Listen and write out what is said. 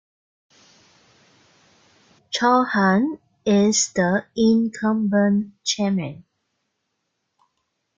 Chauhan is the incumbent chairman.